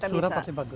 sudah pasti bagus